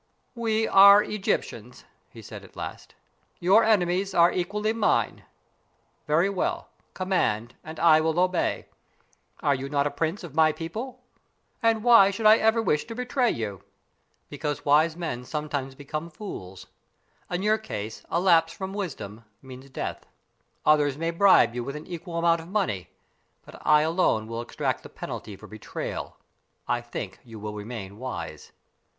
"We are Egyptians," he said, at last. "Your enemies are equally mine. Very well; command and I will obey. Are you not a prince of my people? And why should I ever wish to betray you?" "Because wise men sometimes become fools. In your case a lapse from wisdom means death. Others may bribe you with an equal amount of money, but I alone will exact the penalty for betrayal. I think you will remain wise."